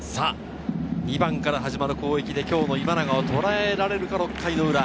２番から始まる攻撃で今日の今永をとらえられるか、６回裏。